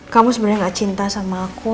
kamu sebenarnya gak cinta sama aku